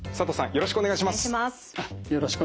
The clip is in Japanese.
よろしくお願いします。